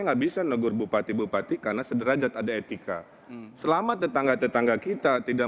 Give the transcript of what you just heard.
nggak bisa negur bupati bupati karena sederajat ada etika selama tetangga tetangga kita tidak